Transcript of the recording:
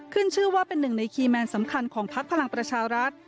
ขึ้นชื่อว่าเป็นหนึ่งในคีย์แมนสำคัญของพักพลังประชารัฐ